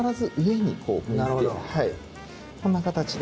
こんな形で。